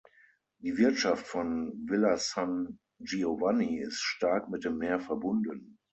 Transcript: Die Wirtschaft von Villa San Giovanni ist stark mit dem Meer verbunden.